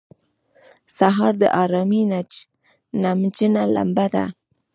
سهار د آرامۍ نمجنه لمبه ده.